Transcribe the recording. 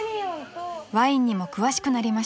［ワインにも詳しくなりました］